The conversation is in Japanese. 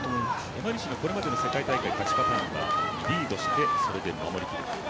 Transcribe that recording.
山西のこれまでの世界大会の勝ちパターンはリードをして、そのまま勝ちきる。